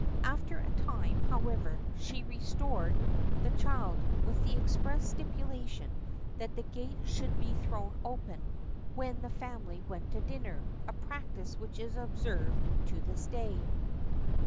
After a time, however, she restored the child; with the express stipulation, that the gates should be thrown open, when the family went to dinner a practice which is observed to this day."